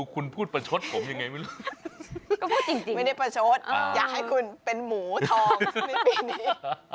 คุณพูดประชดผมยังไงไม่รู้ไม่ได้ประชดอยากให้คุณเป็นหมูทองในปีนี้